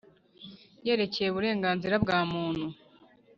yerekeye uburenganzira bwa Muntu